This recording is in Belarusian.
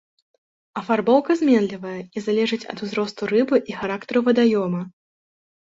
Афарбоўка зменлівая і залежыць ад узросту рыбы і характару вадаёма.